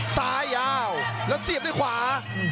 ซ้ายยาวแล้วเสียบด้วยขวา